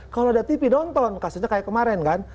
kalau ada tv nonton kasusnya kayak kemarin kan